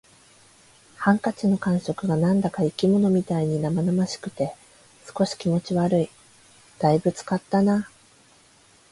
ハンカチの感触が何だか生き物みたいに生々しくて、少し気持ち悪い。「大分使ったな」